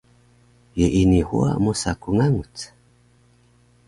ye ini huwa mosa ku nganguc?